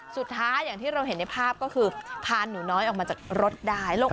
อย่างที่เราเห็นในภาพก็คือพาหนูน้อยออกมาจากรถได้